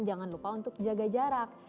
jangan lupa untuk jaga jarak